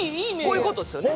こういうことっすよね。